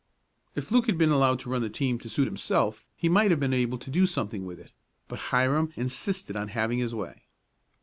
If Luke had been allowed to run the team to suit himself he might have been able to do something with it, but Hiram insisted on having his way.